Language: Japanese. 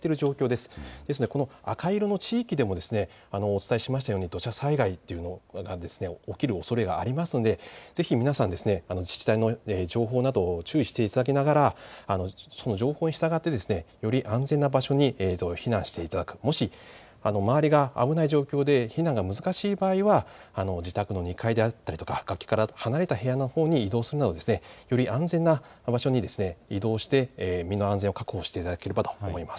ですから赤色の地域でもお伝えしましたように土砂災害が起きるおそれがありますので、ぜひ皆さん自治体の情報など注意していただきながらその情報に従って、より安全な場所に避難していただく、もし周りが危ない状況で避難が難しい場合は自宅の２階であったり崖から離れて部屋のほうに移動するなどより安全な場所に移動して身の安全を確保していただければと思います。